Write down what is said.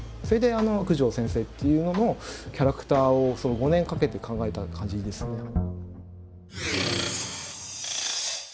それで「九条先生」っていうののキャラクターを５年かけて考えた感じですね。